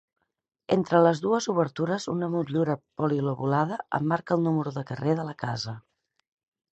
Entre les dues obertures una motllura polilobulada emmarca el número de carrer de la casa.